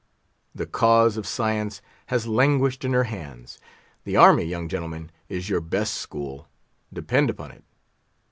The cause of science has languished in her hands. The army, young gentlemen, is your best school; depend upon it.